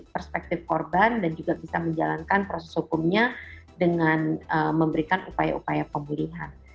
perspektif korban dan juga bisa menjalankan proses hukumnya dengan memberikan upaya upaya pemulihan